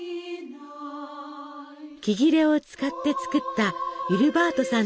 木切れを使って作ったウィルバートさん